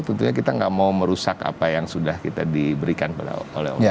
tentunya kita tidak mau merusak apa yang sudah kita diberikan oleh allah